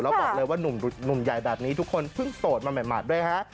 แล้วบอกเลยว่านุ่มใหญ่แบบนี้ทุกคนเพิ่งโสดมาใหม่ด้วยฮะ